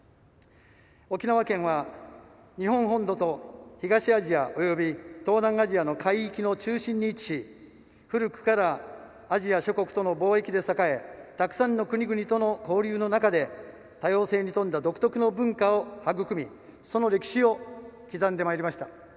沖縄県は、日本本土と東アジア及び東南アジアの海域の中心に位置し古くからアジア諸国との貿易で栄えたくさんの国々との交流の中で多様性に富んだ独特の文化を育みその歴史を刻んでまいりました。